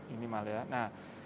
ini malah ya